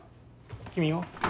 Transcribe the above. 君は？